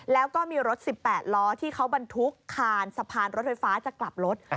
แล้วก็มีรถ๑๘ล้อที่เขาบรรทุกคานสะพานรถไฟฟ้าจะกลับรถ